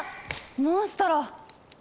モンストロ。